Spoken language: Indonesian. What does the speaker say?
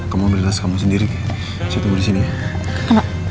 kamu ambil tas kamu sendiri saya tunggu disini ya